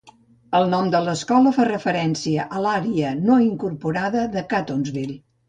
El nom de l'escola fa referència a l'àrea no incorporada de Catonsville.